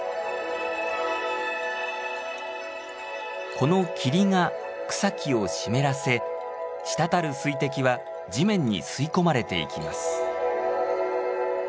この霧が草木を湿らせ滴る水滴は地面に吸い込まれていきます。